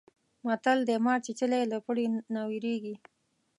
متل دی: مار چیچلی له پړي نه وېرېږي.